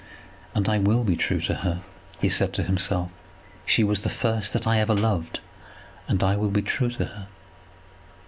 "And I will be true to her," he said to himself. "She was the first that I ever loved, and I will be true to her."